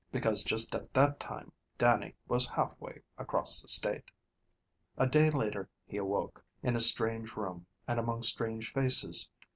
Because just at that time Dannie was halfway across the state. A day later he awoke, in a strange room and among strange faces.